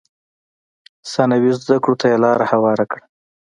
ثانوي زده کړو ته یې لار هواره کړه.